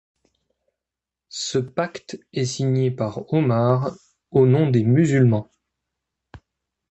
Ce pacte est signé par Omar au nom des Musulmans.